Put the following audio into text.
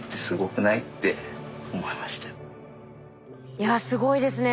いやすごいですね。